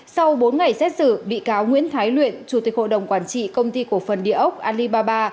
sau bốn ngày xét xử bị cáo nguyễn thái luyện chủ tịch hội đồng quản trị công ty cổ phần địa ốc alibaba